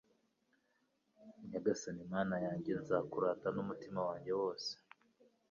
Nyagasani Mana yanjye nzakurata n’umutima wanjye wose